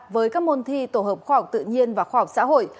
với các môn thi tổ hợp khoa học tự nhiên và khoa học xã hội